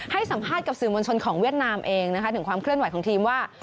ให้สัมภาษณ์กับสื่อมวลชนของเวียดนามเองนะคะถึงความเคลื่อนไหวของทีมว่า